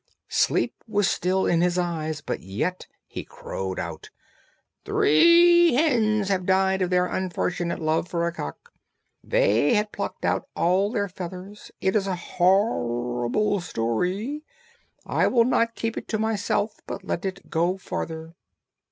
Sleep was still in his eyes, but yet he crowed out: "Three hens have died of their unfortunate love for a cock. They had plucked out all their feathers. It is a horrible story: I will not keep it to myself, but let it go farther."